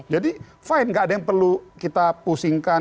jadi fine gak ada yang perlu kita pusingkan